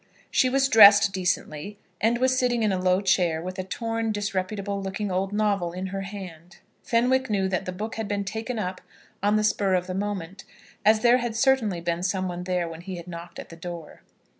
She was dressed decently, and was sitting in a low chair, with a torn, disreputable looking old novel in her hand. Fenwick knew that the book had been taken up on the spur of the moment, as there had certainly been someone there when he had knocked at the door.